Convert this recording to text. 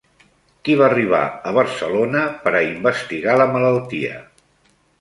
Qui va arribar a Barcelona per a investigar la malaltia?